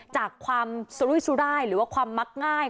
จากความสุรุยสุรายหรือว่าความมักง่าย